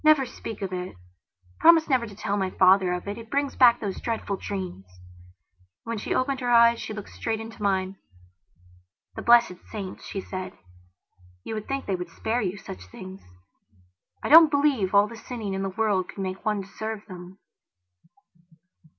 "Never speak of it. Promise never to tell my father of it. It brings back those dreadful dreams..." And, when she opened her eyes she looked straight into mine. "The blessed saints," she said, "you would think they would spare you such things. I don't believe all the sinning in the world could make one deserve them."